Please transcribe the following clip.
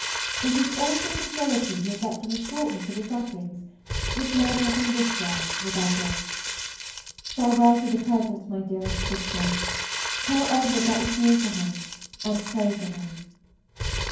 It is also consolatory to reflect on the shortness of the sufferings which led her from this world to a better. Farewell for the present, my dearest sister. Tell Edward that we feel for him and pray for him.